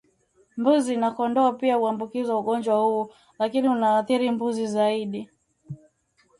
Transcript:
Mbuzi na kondoo pia huambukizwa ugonjwa huu lakini unaathiri mbuzi zaidi